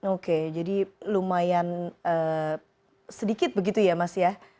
oke jadi lumayan sedikit begitu ya mas ya